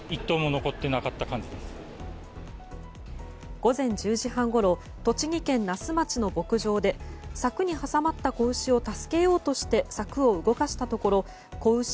午前１０時半ごろ栃木県那須町の牧場で柵に挟まった子牛を助けようとして柵を動かしたところ子牛